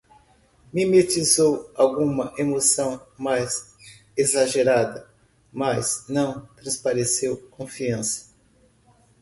Mimetizou alguma emoção mais exagerada, mas não transpareceu confiança